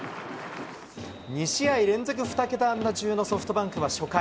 ２試合連続２桁安打中のソフトバンクは初回。